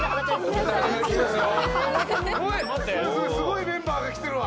すごいメンバーが来てるわ。